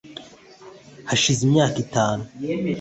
hashize imyaka itanu